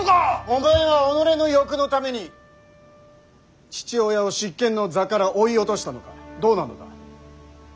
お前は己の欲のために父親を執権の座から追い落としたのかどうなのだ。